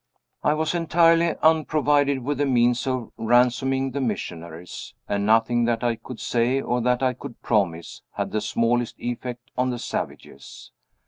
"I was entirely unprovided with the means of ransoming the missionaries and nothing that I could say, or that I could promise, had the smallest effect on the savages.